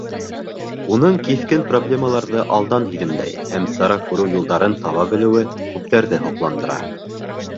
Уның киҫкен проблемаларҙы алдан һиҙемләй һәм сара күреү юлдарын таба белеүе күптәрҙе һоҡландыра.